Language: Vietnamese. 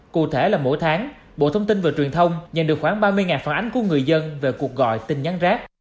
cụ thể là mỗi tháng bộ thông tin và truyền thông nhận được khoảng ba mươi phản ánh của người dân về cuộc gọi tin nhắn rác